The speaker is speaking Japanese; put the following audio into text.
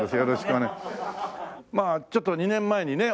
まあちょっと２年前にね